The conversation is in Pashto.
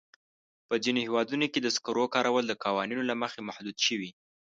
په ځینو هېوادونو کې د سکرو کارول د قوانینو له مخې محدود شوي.